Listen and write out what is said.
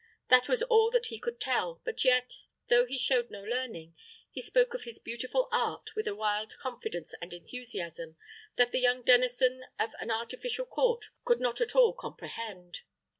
That was all that he could tell; but yet, though he showed no learning, he spoke of his beautiful art with a wild confidence and enthusiasm that the young denizen of an artificial court could not at all comprehend.